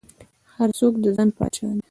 هر څوک د ځان پاچا دى.